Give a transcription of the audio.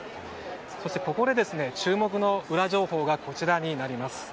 そして、注目の裏情報がこちらになります。